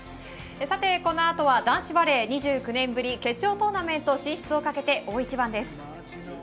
この後は男子バレー、２９年ぶり決勝トーナメント進出をかけて大一番です。